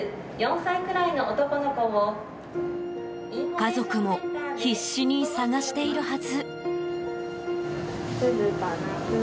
家族も必死に捜しているはず。